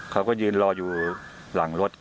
เขาก็ยืนรออยู่หลังรถ